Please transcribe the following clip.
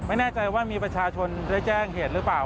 ไม่แน่ใจว่ามีประชาชนได้แจ้งเหตุหรือเปล่า